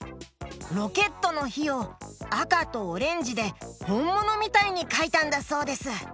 ロケットのひをあかとオレンジでほんものみたいにかいたんだそうです！